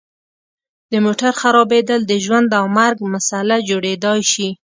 د موټر خرابیدل د ژوند او مرګ مسله جوړیدای شي